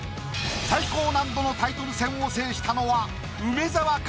最高難度のタイトル戦を制したのは梅沢か？